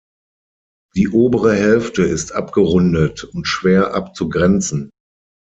Die obere Hälfte ist abgerundet und schwer abzugrenzen.